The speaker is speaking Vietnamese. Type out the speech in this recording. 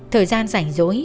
thời gian rảnh rối